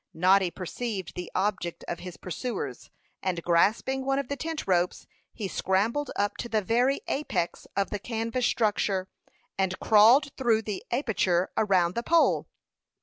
Noddy perceived the object of his pursuers, and grasping one of the tent ropes, he scrambled up to the very apex of the canvas structure, and crawled through the aperture around the pole.